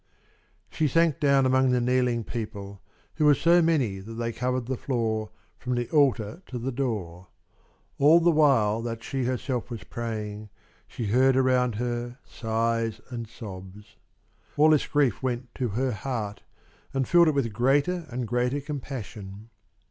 She sank down among the kneeling people, who were so many that they covered the floor from the altar to the door. All the while that she herself was praying, she heard around her sighs and sobs. All this grief went to her heart and filled it with greater and greater compassion.